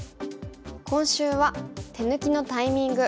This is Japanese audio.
今週は「手抜きのタイミング」。